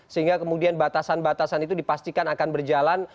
sehingga kemudian batasan batasan itu dipastikan akan berjalan